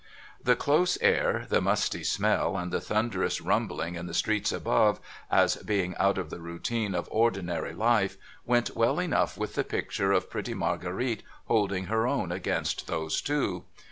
The close air, the musty smell, and the thunderous rumbling in the streets above, as being out of the routine of ordinary life, went well enough with the picture of pretty Marguerite holding her own against those two.